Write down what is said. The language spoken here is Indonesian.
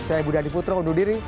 saya budi hadi putra undur diri